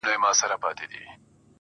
• ستا د سوځلي زړه ايرو ته چي سجده وکړه.